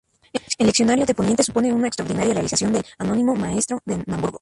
El leccionario de poniente supone una extraordinaria realización del anónimo "Maestro de Naumburgo".